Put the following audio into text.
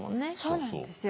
そうなんですよ。